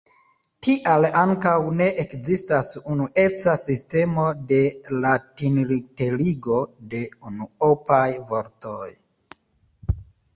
Tial ankaŭ ne ekzistas unueca sistemo de latinliterigo de unuopaj vortoj.